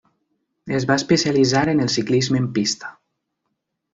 Es va especialitzar en el Ciclisme en pista.